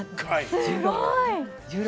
すごい！